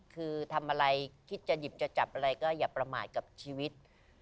คือทำอะไรคิดจะหยิบจะจับอะไรก็อย่าประมาทกับชีวิต